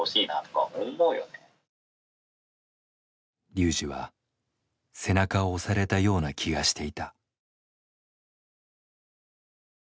ＲＹＵＪＩは背中を押されたような気がしていた。